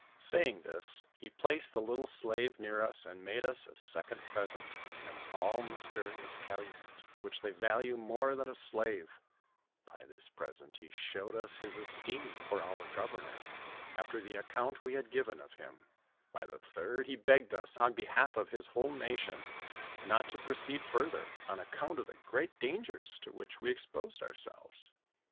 Saying this, he placed the little slave near ns and made ns a second present, an all mysterious calumet, which they value more than a slave; by this present ho showed us his esteem for our governor, after the account we had given of him; by the third, he begged us, on behalf of his whole nation, not to proceed further, on account of the great dangers to which we exposed ourselves.